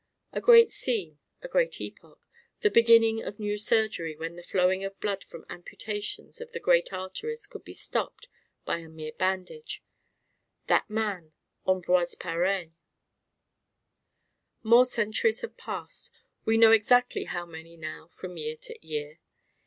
A great scene, a great epoch: the beginning of new surgery when the flowing of blood from amputations of the great arteries could be stopped by a mere bandage: that man Ambroise Paré! More centuries have passed we know exactly how many now from year to year.